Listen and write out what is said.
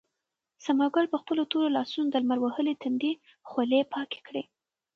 ثمر ګل په خپلو تورو لاسونو د لمر وهلي تندي خولې پاکې کړې.